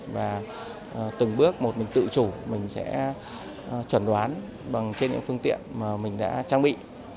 và từng bước một mình tự chủ mình sẽ chuẩn đoán bằng trên những phương tiện mà mình đã trang bị